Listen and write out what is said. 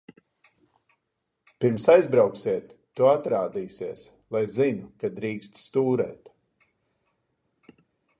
Pirms aizbrauksiet, tu atrādīsies, lai zinu, ka drīksti stūrēt.